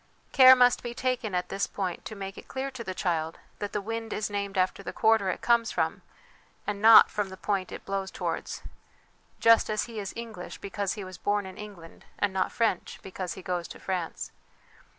Care must be taken at this point to make it clear to the child that the wind is named after the quarter it comes from, and not from the point it 76 HOME EDUCATION blows towards just as he is English because he was born in England, and not French because he goes to France.